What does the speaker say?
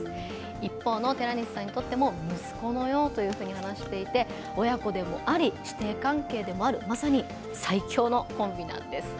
一方の寺西さんにとっても息子のようと話していて親子でもあり、師弟関係でもあるまさに、最強のコンビなんです。